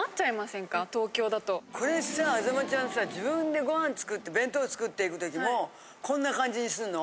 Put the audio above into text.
これさ安座間ちゃんさ自分でご飯作って弁当作って行くときもこんな感じにするの？